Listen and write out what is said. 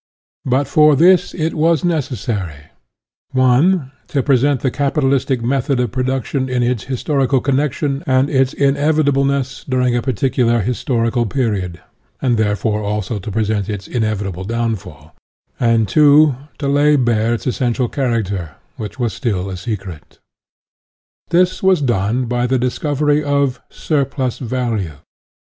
But for this it was necessary ( i ) to present the capitalistic method of production in its historical connection and its inev itableness during a particular historical period, and therefore, also, to present its inevitable downfall; and (2) to lay bare its essential character, which was still a secret. This was done by the discovery of surplus value.